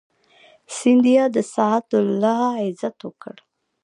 سیندیا د سعد الله عزت وکړ.